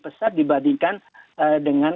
besar dibandingkan dengan